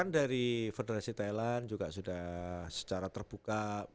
di federasi thailand juga sudah secara terbuka